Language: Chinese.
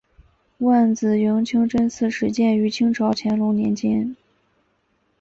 万子营清真寺始建于清朝乾隆年间。